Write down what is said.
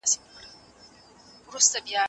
عرضه باید په بازار کي جذب سي.